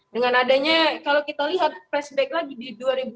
dengan adanya kalau kita lihat flashback lagi di dua ribu dua puluh